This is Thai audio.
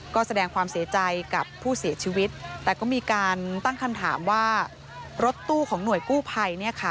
ก็แสดงความเสียใจกับผู้เสียชีวิตแต่ก็มีการตั้งคำถามว่ารถตู้ของหน่วยกู้ภัยเนี่ยค่ะ